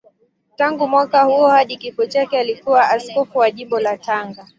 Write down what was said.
Tangu mwaka huo hadi kifo chake alikuwa askofu wa Jimbo la Tanga.